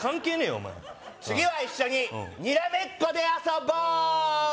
お前次は一緒ににらめっこで遊ぼう！